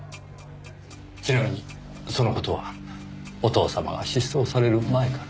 ちなみにその事はお父様が失踪される前から？